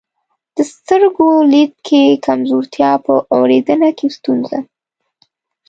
د سترګو لید کې کمزورتیا، په اورېدنه کې ستونزه،